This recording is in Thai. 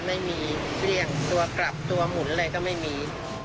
ไม่มีเกลี้ยงตัวกลับตัวหมุนอะไรก็ไม่มี